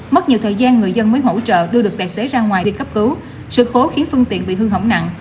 mất nhiều thời gian người dân mới hỗ trợ đưa được tài xế ra ngoài đi cấp cứu sự cố khiến phương tiện bị hư hỏng nặng